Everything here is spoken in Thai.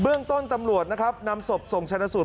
เบื้องต้นตำรวจนำศพส่งชาญสูตร